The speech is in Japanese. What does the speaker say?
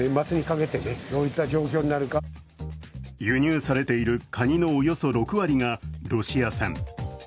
輸入されているかにのおよそ６割がロシア産。